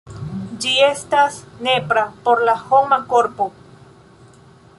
Ĝi estas nepra por la homa korpo.